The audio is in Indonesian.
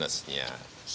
oke terima kasih